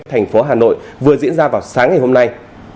thành phố hà nội vừa diễn ra vào sáng ngày hôm nay